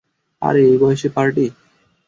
আরে এই বয়সে পার্টি?